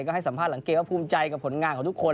ก็ให้สัมภาษณ์หลังเกมว่าภูมิใจกับผลงานของทุกคน